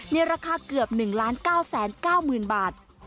ในราคาเกือบ๑๙๙๐๐๐บาท